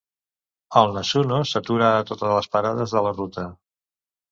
El "Nasuno" s"atura a totes les parades de la ruta.